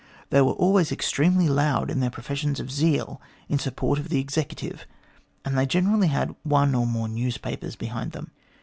They were always extremely loud in their professions of zeal in support of the executive, and they generally had one or more newspapers behind them.